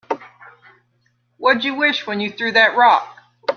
What'd you wish when you threw that rock?